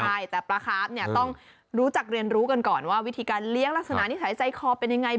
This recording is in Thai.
ใช่แต่ปลาคาร์ฟเนี่ยต้องรู้จักเรียนรู้กันก่อนว่าวิธีการเลี้ยงลักษณะนิสัยใจคอเป็นยังไง